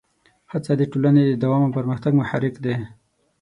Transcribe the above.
هڅه د ټولنې د دوام او پرمختګ محرک ده.